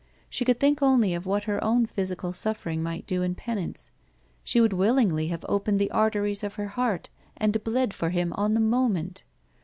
She could think only of what her own physical suffering might do in penance. She would willingly have opened the arteries of her heart and bled for him on the moment.